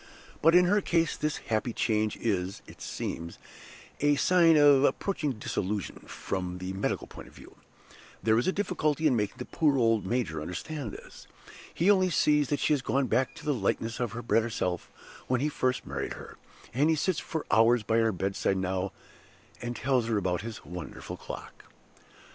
But in her case this happy change is, it seems, a sign of approaching dissolution, from the medical point of view. There is a difficulty in making the poor old, major understand this. He only sees that she has gone back to the likeness of her better self when he first married her; and he sits for hours by her bedside now, and tells her about his wonderful clock.